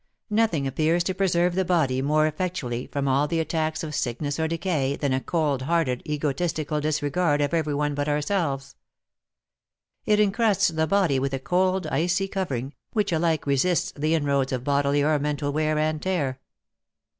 Nothing appears to preserve the body more effectually from all the attacks of sickness or decay than a cold hearted, egotistical disregard of every one but ourselves; it encrusts the body with a cold, icy covering, which alike resists the inroads of bodily or mental wear and tear.